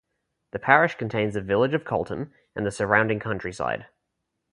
The parish contains the village of Colton and the surrounding countryside.